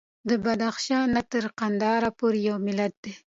د بدخشان نه تر قندهار پورې یو ملت دی.